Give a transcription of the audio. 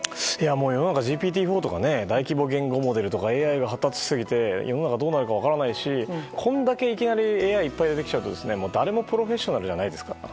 もう、世の中ＧＰＴ‐４とか大規模言語モデルやＡＩが発達しすぎて世の中どうなるか分からないしこれだけいきなりＡＩがいっぱい出てきちゃうと誰もプロフェッショナルじゃないですから。